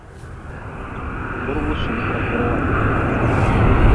Burgu suli ka furwa.